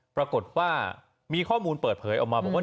ปรากฏว่ามีข้อมูลเปิดเผยออกมาบอกว่า